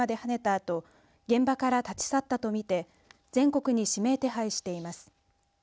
あと現場から立ち去ったと見て全国に指名手配しています。